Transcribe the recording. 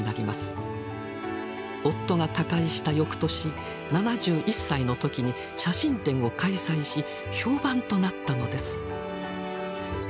夫が他界した翌年７１歳の時に写真展を開催し評判となったのです。